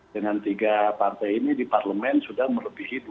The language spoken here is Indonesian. dengan tiga partai ini di parlemen sudah melebihi